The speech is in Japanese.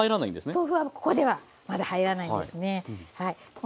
豆腐はここではまだ入らないんですね。